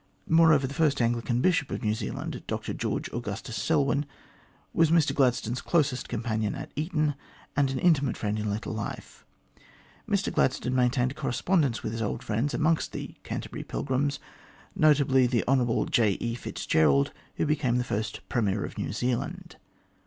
Moreover, the first Anglican Bishop of New Zealand, Dr George Augustus Selwyn, was Mr Gladstone's closest companion at Eton, and an intimate friend in later life. Mr Gladstone maintained a correspondence with his old friends amongst the " Canterbury Pilgrims," notably the Hon. J. E. Fitzgerald, who became the first Premier of New Zealand.